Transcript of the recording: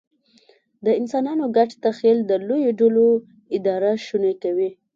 د انسانانو ګډ تخیل د لویو ډلو اداره شونې کوي.